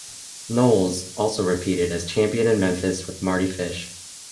Knowles also repeated as champion in Memphis with Mardy Fish.